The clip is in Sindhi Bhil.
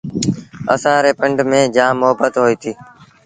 اسآݩ ريٚ پنڊ ميݩ جآم مهبت هوئيٚتي۔